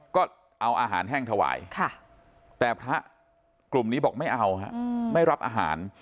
ก็เอาอาหารแห้งถวายแต่พระกลุ่มนี้บอกไม่เอาฮะไม่รับอาหาร